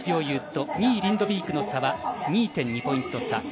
侑と２位・リンドビークの差は２．２ポイント差。